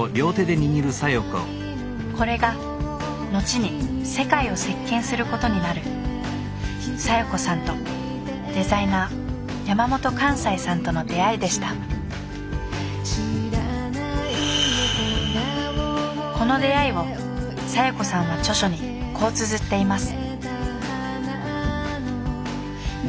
これが後に世界を席けんすることになる小夜子さんとデザイナー山本寛斎さんとの出会いでしたこの出会いを小夜子さんは著書にこうつづっています